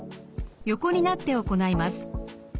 横になって行います。